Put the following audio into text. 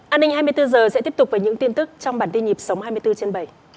an ninh hai mươi bốn h sẽ tiếp tục với những tin tức trong bản tin nhịp sống hai mươi bốn trên bảy